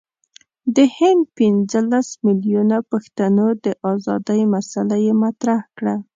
د هند پنځه لس میلیونه پښتنو د آزادی مسله یې مطرح کړه.